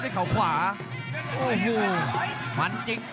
รับทราบบรรดาศักดิ์